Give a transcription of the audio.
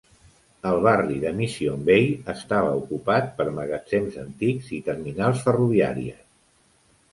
El barri de Mission Bay estava ocupat per magatzems antics i terminals ferroviàries.